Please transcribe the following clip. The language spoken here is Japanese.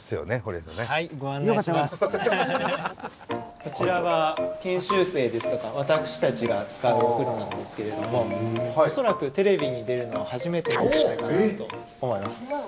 こちらは研修生ですとか私たちが使うお風呂なんですけれどもおそらくテレビに出るのは初めてだと思います。